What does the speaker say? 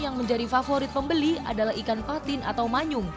yang menjadi favorit pembeli adalah ikan patin atau manyung